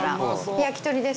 焼き鳥です